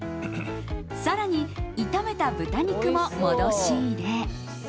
更に、炒めた豚肉も戻し入れ。